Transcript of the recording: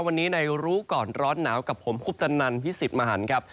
วันนี้ในรู้ก่อนร้อนหนาวกับผมคุปตนันพิสิทธิ์มหันครับ